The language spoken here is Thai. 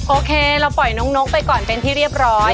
โอเคเราปล่อยน้องนกไปก่อนเป็นที่เรียบร้อย